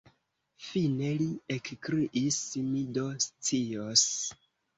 Fine, li ekkriis, mi do scios.